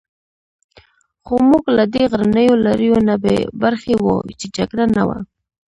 خو موږ له دې غرنیو لړیو نه بې برخې وو، چې جګړه نه وه.